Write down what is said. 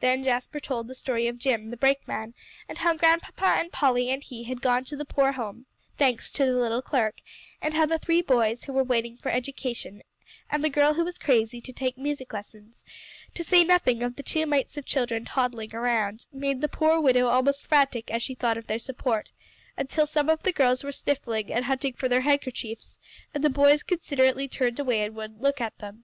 Then Jasper told the story of Jim, the brakeman; and how Grandpapa and Polly and he had gone to the poor home, thanks to the little clerk; and how the three boys who were waiting for education and the girl who was crazy to take music lessons, to say nothing of the two mites of children toddling around, made the poor widow almost frantic as she thought of their support; until some of the girls were sniffling and hunting for their handkerchiefs, and the boys considerately turned away and wouldn't look at them.